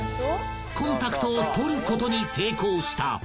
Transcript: ［コンタクトを取ることに成功した］